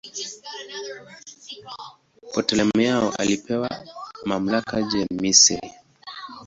Ptolemaio alipewa mamlaka juu ya Misri.